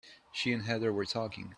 She and Heather were talking.